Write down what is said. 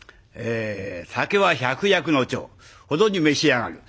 「酒は百薬の長」ほどに召し上がる。